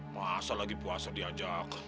masa lagi puasa diajak